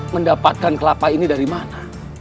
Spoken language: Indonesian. mendapatkan kelapa ini dari mana